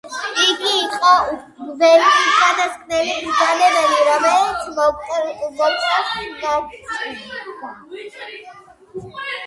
იგი იყო ველის უკანასკნელი მბრძანებელი, რომელიც მოკლა სმაუგმა.